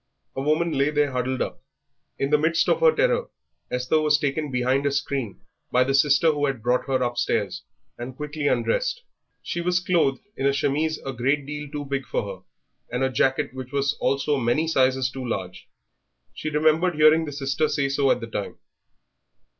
A woman lay there huddled up. In the midst of her terror Esther was taken behind a screen by the sister who had brought her upstairs and quickly undressed. She was clothed in a chemise a great deal too big for her, and a jacket which was also many sizes too large. She remembered hearing the sister say so at the time.